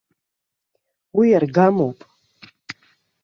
Уи аргамоуп.